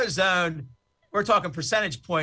kita berbicara tentang persenjataan